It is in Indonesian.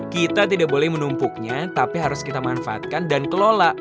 kita tidak boleh menumpuknya tapi harus kita manfaatkan dan kelola